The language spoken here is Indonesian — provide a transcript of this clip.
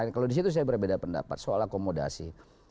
kalau di situ saya berbeda pendapat soal akomodasi